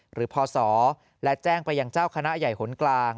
หรือพศและแจ้งไปอย่างเจ้าคณะใหญ่หลนกลาง